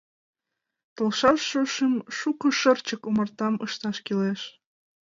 Толшаш шошым шуко шырчык омартам ышташ кӱлеш.